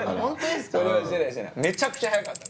めちゃくちゃ早かった。